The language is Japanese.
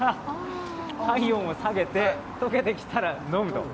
体温を下げて、溶けてきたら飲むと。